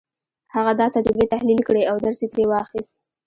هغه دا تجربې تحليل کړې او درس يې ترې واخيست.